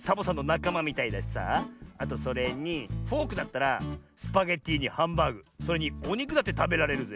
あとそれにフォークだったらスパゲッティにハンバーグそれにおにくだってたべられるぜ。